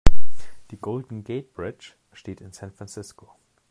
Die Golden Gate Bridge steht in San Francisco.